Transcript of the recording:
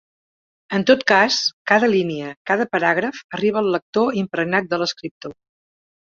En tot cas, cada línia, cada paràgraf arriba al lector impregnat de l’escriptor.